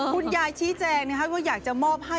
คุณยายชี้แจ้งนะครับว่าอยากจะมอบให้